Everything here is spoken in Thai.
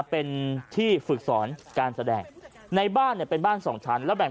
เป็นที่ฝึกสอนการแสดงในบ้านเป็นบ้าน๒ชั้น